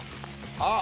「あっ！」